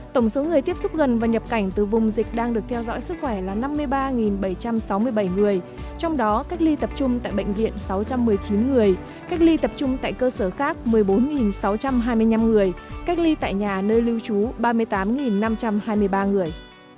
tổng số người tiếp xúc gần và nhập cảnh từ vùng dịch đang được theo dõi sức khỏe là năm mươi ba bảy trăm sáu mươi bảy người trong đó cách ly tập trung tại bệnh viện sáu trăm một mươi chín người cách ly tập trung tại cơ sở khác một mươi bốn sáu trăm hai mươi năm người cách ly tại nhà nơi lưu trú ba mươi tám năm trăm hai mươi ba người